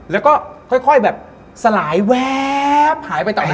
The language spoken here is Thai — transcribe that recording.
แล้วก็ค่อยแบบสลายแว๊บหายไปต่อย